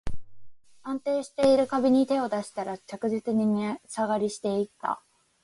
安定してる株に手を出したら、着実に値下がりしていった